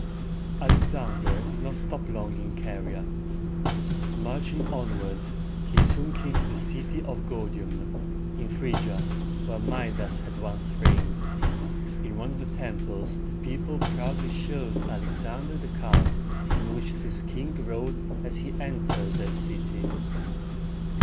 Alexander did not stop long in Caria. Marching onward, he soon came to the city of Gor´di um, in Phryg´i a, where Mi´das had once reigned. In one of the temples the people proudly showed Alexander the cart in which this king rode as he entered their city.